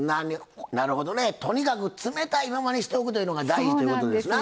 なるほどねとにかく冷たいままにしておくというのが大事ということですな。